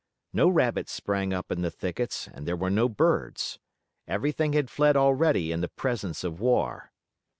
No rabbits sprang up in the thickets and there were no birds. Everything had fled already in the presence of war.